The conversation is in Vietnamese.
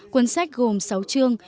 cuốn sách gồm sáu chương